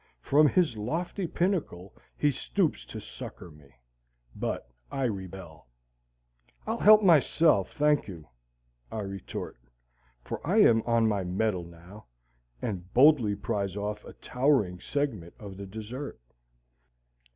From his lofty pinnacle he stoops to succor me. But I rebel. "I'll help myself, thank you," I retort, for I am on my mettle now, and boldly prize off a towering segment of the dessert.